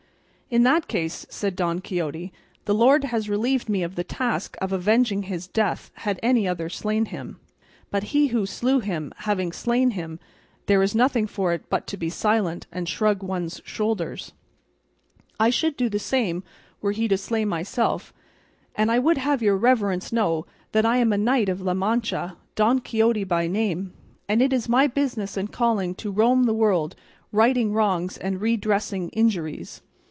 "In that case," said Don Quixote, "the Lord has relieved me of the task of avenging his death had any other slain him; but, he who slew him having slain him, there is nothing for it but to be silent, and shrug one's shoulders; I should do the same were he to slay myself; and I would have your reverence know that I am a knight of La Mancha, Don Quixote by name, and it is my business and calling to roam the world righting wrongs and redressing injuries."